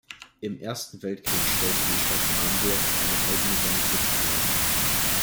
Im Ersten Weltkrieg stellte die Stadt Camburg eine eigene Sanitätskolonne.